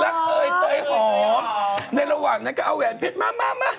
เอ่ยเตยหอมในระหว่างนั้นก็เอาแหวนเพชรมามา